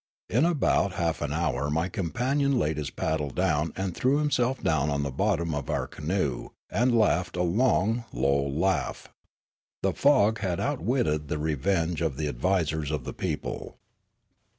In about half an hour my companion laid his paddle down and threw himself down on the bottom of our canoe and laughed a long, low laugh. The fog had outwitted the revenge of the advisers of the people.